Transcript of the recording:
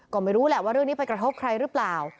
ก็ไม่รู้แหละว่าเรื่องนี้ไปกระทบใครหรือเปล่า